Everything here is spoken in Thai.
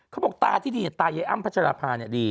เค้าบอกตาที่ดีตายายอั้มพัชราภาดี